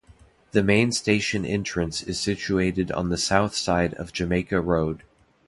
The main station entrance is situated on the south side of Jamaica Road.